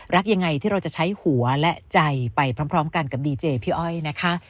รักยังไงที่เราจะใช้หัวและใจไปพร้อมกันกับดีเจพี่อ้อยนะคะ